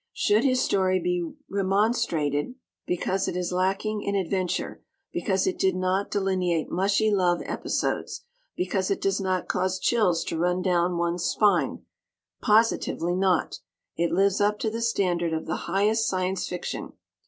Should his story be remonstrated against because it is lacking in adventure, because it did not delineate mushy love episodes, because it does not cause chills to run down one's spine? Positively not! It lives up to the standard of the highest Science Fiction.